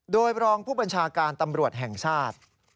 โดยรองผู้บัญชาการตำรวจแห่งชาติ